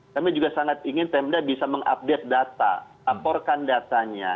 kami juga sangat ingin pemda bisa mengupdate data laporkan datanya